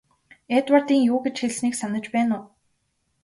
Эдвардын юу гэж хэлснийг санаж байна уу?